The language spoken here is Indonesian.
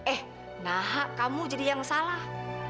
eh nah hak kamu jadi yang salah